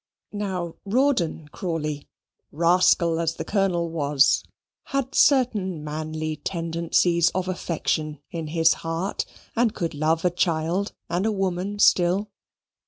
Now Rawdon Crawley, rascal as the Colonel was, had certain manly tendencies of affection in his heart and could love a child and a woman still.